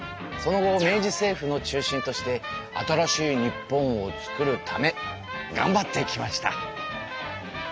その後明治政府の中心として新しい日本をつくるためがんばってきました。